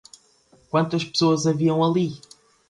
Quantas pessoas haviam ali?